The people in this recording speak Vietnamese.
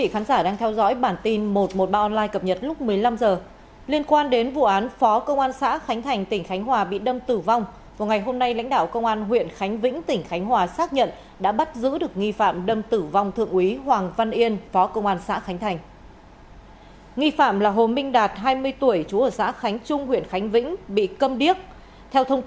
hãy đăng ký kênh để ủng hộ kênh của chúng mình nhé